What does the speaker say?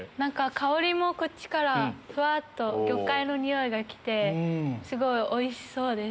香りもこっちからふわっと魚介の匂いが来てすごいおいしそうです。